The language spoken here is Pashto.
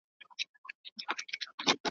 ستا د مشکینو ز لفو یا د زما له مشامه هیر سو